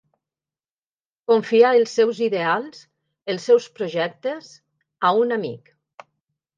Confiar els seus ideals, els seus projectes, a un amic.